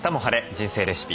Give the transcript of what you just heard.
人生レシピ」